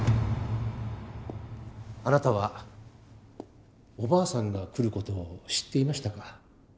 あなたはおばあさんが来る事を知っていましたか？